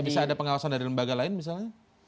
bisa ada pengawasan dari lembaga lain misalnya